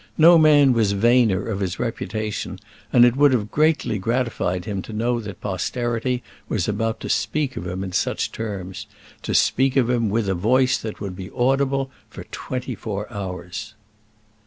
No man was vainer of his reputation, and it would have greatly gratified him to know that posterity was about to speak of him in such terms to speak of him with a voice that would be audible for twenty four hours.